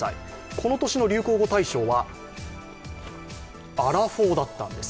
この年の流行語大賞はアラフォーだったんです。